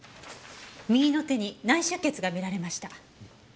右の手に内出血が見られました。